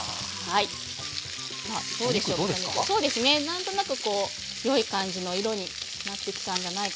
何となくこうよい感じの色になってきたんじゃないかなと思います。